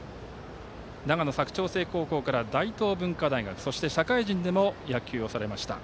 長野・佐久長聖高校から大東文化大学社会人でも野球をされました。